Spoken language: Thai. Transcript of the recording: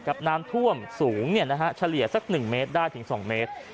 น้ำท่วมสูงเฉลี่ยสัก๑เมตรได้ถึง๒เมตร